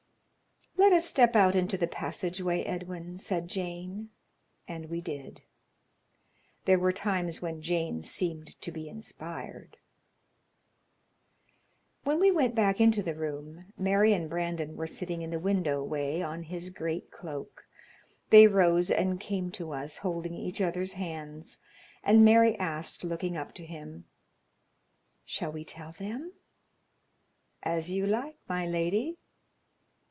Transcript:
"Let us step out into the passage way, Edwin," said Jane, and we did. There were times when Jane seemed to be inspired. When we went back into the room Mary and Brandon were sitting in the window way on his great cloak. They rose and came to us, holding each other's hands, and Mary asked, looking up to him: "Shall we tell them?" "As you like, my lady."